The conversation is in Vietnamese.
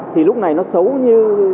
thì lúc này nó xấu như